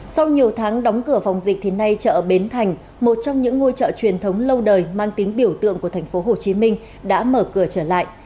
sau nhiều tháng đóng cửa phòng dịch thì nay chợ bến thành một trong những ngôi chợ truyền thống lâu đời mang tiếng biểu tượng của thành phố hồ chí minh đã mở cửa trở lại